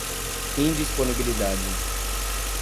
indisponibilidade